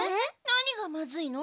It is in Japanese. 何がまずいの？